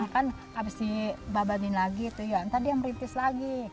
kan abis dibabatin lagi nanti dia meripis lagi